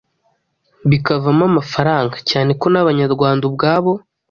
bikavamo amafaranga, cyane ko n’Abanyarwanda ubwabo